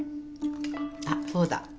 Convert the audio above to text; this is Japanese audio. あっそうだ。